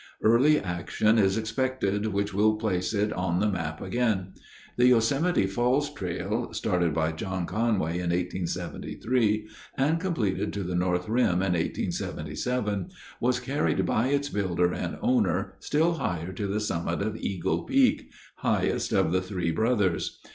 Early action is expected which will place it on the map again. The Yosemite Falls Trail, started by John Conway in 1873 and completed to the north rim in 1877, was carried by its builder and owner still higher to the summit of Eagle Peak, highest of the Three Brothers.